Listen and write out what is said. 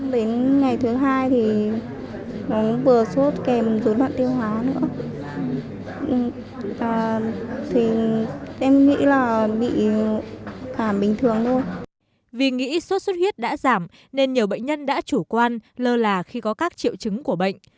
vì nghĩ xuất xuất huyết đã giảm nên nhiều bệnh nhân đã chủ quan lơ là khi có các triệu chứng của bệnh